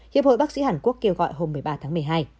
hiệp hội bác sĩ hàn quốc kêu gọi hôm một mươi ba tháng một mươi hai